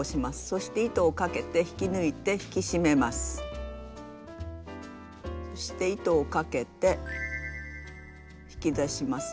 そして糸をかけて引き出します。